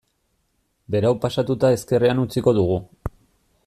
Berau pasatuta ezkerrean utziko dugu.